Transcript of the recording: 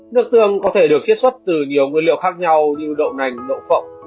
nước tương có thể được thiết xuất từ nhiều nguyên liệu khác nhau như đậu nành đậu phộng